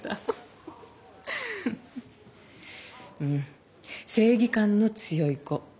うん正義感の強い子。